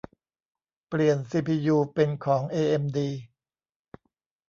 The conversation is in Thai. เปลี่ยนซีพียูเป็นของเอเอ็มดี